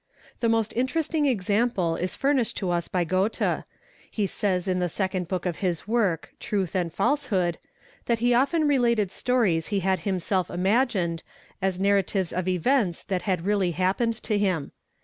The most interesting example is furnished us by Goethe; he says in the second book of his work " Truth and Falsehood,' that he often | related stories he had himself imagined, as narratives of events that had really happened to him.